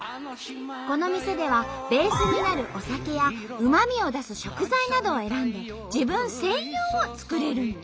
この店ではベースになるお酒やうまみを出す食材などを選んで自分専用を作れるんと！